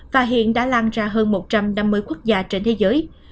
và hiện đã lan ra hơn một trăm năm mươi quốc gia trên thế giới